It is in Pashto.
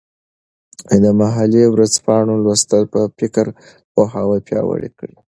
د محلي ورځپاڼو لوستل به فکري پوهاوي پیاوړی کړي.